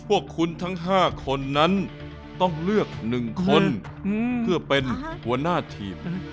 พวกคุณทั้ง๕คนนั้นต้องเลือก๑คนเพื่อเป็นหัวหน้าทีม